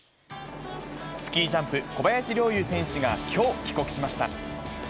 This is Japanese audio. スキージャンプ、小林陵侑選手が、きょう帰国しました。